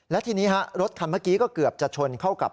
และทีนี้รถคันเมื่อกี้ก็เกือบจะชนเข้ากับ